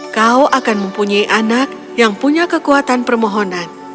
kau akan mempunyai anak yang punya kekuatan permohonan